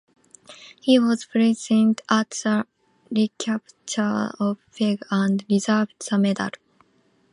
He was present at the recapture of Pegu and received the medal.